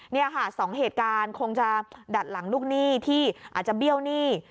นี่ค่ะสองเหตุการณ์คงจะดัดหลังลูกหนี้ที่อาจจะเบี้ยวหนี้